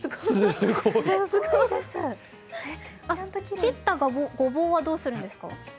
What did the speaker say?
切ったごぼうはどうするんですか？